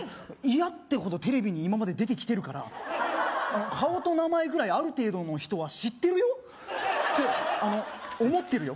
嫌ってほどテレビに今まで出てきてるから顔と名前ぐらいある程度の人は知ってるよって思ってるよ